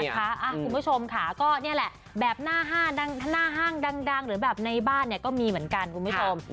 คุณผู้ชมค่ะก็นี่แหละแบบหน้าห้างดังหรือแบบในบ้านเนี่ยก็มีเหมือนกันคุณผู้ชม